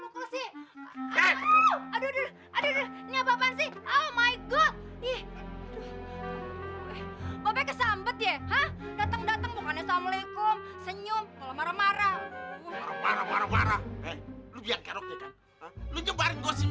gak perlu bantu gue